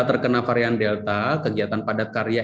terkena varian delta kegiatan padatkarya